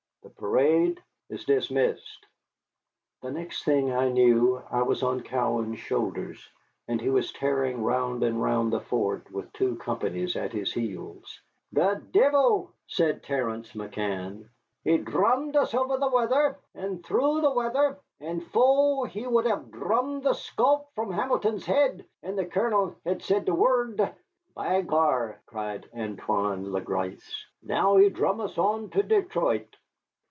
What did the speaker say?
The parade is dismissed." The next thing I knew I was on Cowan's shoulders, and he was tearing round and round the fort with two companies at his heels. "The divil," said Terence McCann, "he dhrummed us over the wather, an' through the wather; and faix, he would have dhrummed the sculp from Hamilton's head and the Colonel had said the worrd." "By gar!" cried Antoine le Gris, "now he drum us on to Detroit."